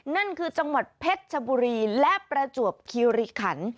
นั่นคือจังหวัดเพชรชบุรีและประจวบคิริขัน